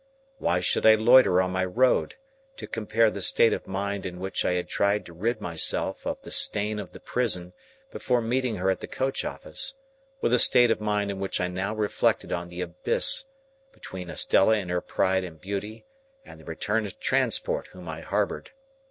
Why should I loiter on my road, to compare the state of mind in which I had tried to rid myself of the stain of the prison before meeting her at the coach office, with the state of mind in which I now reflected on the abyss between Estella in her pride and beauty, and the returned transport whom I harboured?